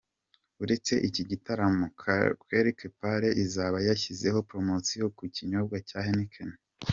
Uretse iki gitaramo, Quelque Part izaba yashyizeho promosiyo ku kinyobwa cya Heineken.